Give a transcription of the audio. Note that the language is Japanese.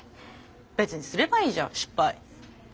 別にすればいいじゃん失敗。